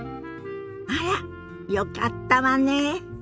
あらっよかったわねえ。